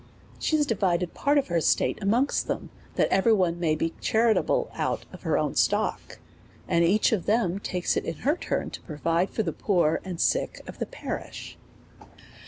She has divided part of her estate amongst them, that every one may be charitable out of their own stock, and each of them take it in their turns to pro vide for the poor and sick of the ])arish.